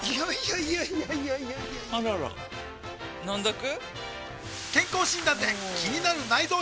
いやいやいやいやあらら飲んどく？